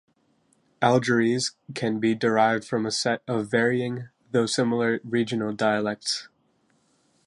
Algherese can be derived from a set of varying, though similar regional dialects.